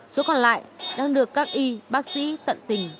số còn lại đang được các y bác sĩ tận tình